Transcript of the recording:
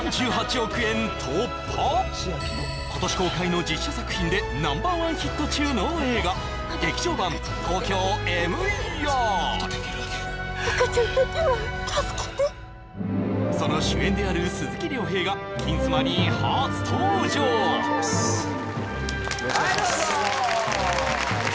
今年公開の実写作品でＮｏ．１ヒット中の映画劇場版「ＴＯＫＹＯＭＥＲ」赤ちゃんだけは助けてその主演である鈴木亮平が「金スマ」に初登場よろしくお願いします